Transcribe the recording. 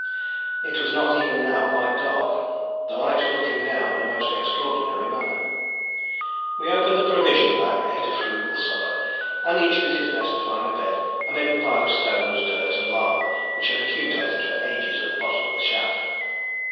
It was not even now quite dark, the light filtering down in a most extraordinary manner. We opened the provision bag, ate a frugal supper, and each did his best to find a bed amid the pile of stones, dirt, and lava which had accumulated for ages at the bottom of the shaft.